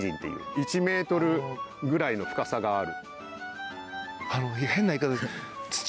１ｍくらいの深さがある。